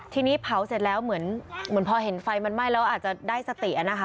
ทีนี้เผาเสร็จแล้วเหมือนพอเห็นไฟมันไหม้แล้วอาจจะได้สตินะคะ